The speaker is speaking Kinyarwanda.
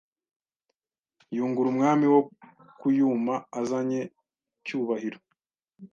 yungura umwami wo ku yuma Azanye cyubahiro